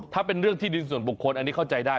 ถ้าเป็นเรื่องที่ดินส่วนบุคคลอันนี้เข้าใจได้